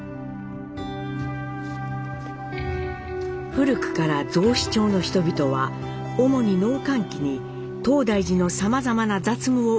古くから雑司町の人々は主に農閑期に東大寺のさまざまな雑務を請け負ってきました。